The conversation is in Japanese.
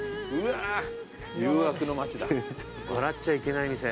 笑っちゃいけない店。